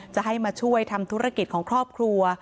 จะให้มาช่วยทำธุรกิจของครอบครัว